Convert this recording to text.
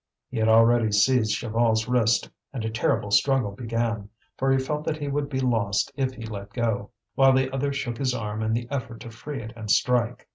He had already seized Chaval's wrist, and a terrible struggle began; for he felt that he would be lost if he let go, while the other shook his arm in the effort to free it and strike.